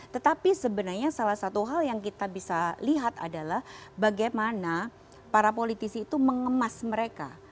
tetapi sebenarnya salah satu hal yang kita bisa lihat adalah bagaimana para politisi itu mengemas mereka